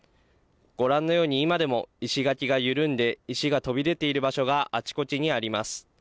ご覧のように今でも石垣が緩んで、石が飛び出ている場所があちこちにあります。